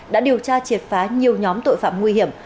đã điều tra triệt phá nhiều nhóm tội phạm nguy hiểm